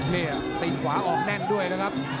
นี่ตีนขวาออกแน่นด้วยนะครับ